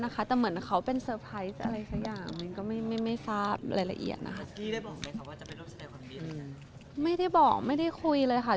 ก็คือเรื่องของแปปส่งดอกไม้ไปแล้วโตไม่ได้ไป